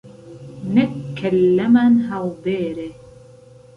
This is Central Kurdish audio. نەک کهللهمان ههڵدێرێ